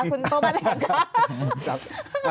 คุณโตมันแหล่งค่ะ